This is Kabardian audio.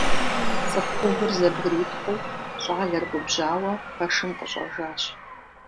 Цӏыху ӏувыр зэбгритхъуу, щӏалэр губжьауэ пэшым къыщӀэжащ.